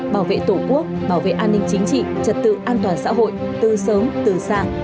bảo vệ tổ quốc bảo vệ an ninh chính trị trật tự an toàn xã hội từ sớm từ xa